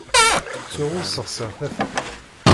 Ttuɣ ur ssexsiɣ tafat.